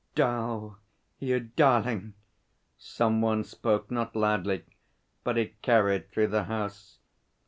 ''Dal, you darling!' some one spoke, not loudly but it carried through the house.